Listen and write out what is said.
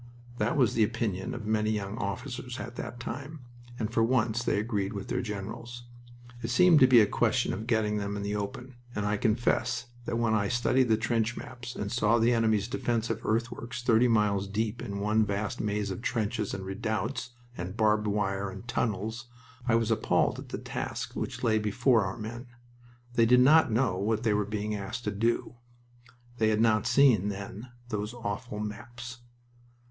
That was the opinion of many young officers at that time, and for once they agreed with their generals. It seemed to be a question of getting them in the open, and I confess that when I studied the trench maps and saw the enemy's defensive earthworks thirty miles deep in one vast maze of trenches and redoubts and barbed wire and tunnels I was appalled at the task which lay before our men. They did not know what they were being asked to do. They had not seen, then, those awful maps.